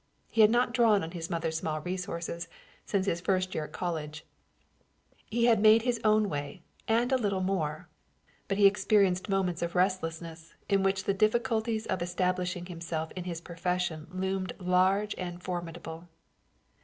He had not drawn on his mother's small resources since his first year at college; he had made his own way and a little more but he experienced moments of restlessness in which the difficulties of establishing himself in his profession loomed large and formidable.